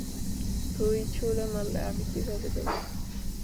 তুই ছুঁড়ে মারলে, আমি কিভাবে ধরব?